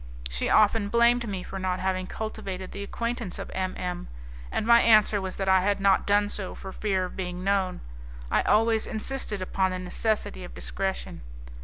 She often blamed me for not having cultivated the acquaintance of M M , and my answer was that I had not done so for fear of being known. I always insisted upon the necessity of discretion.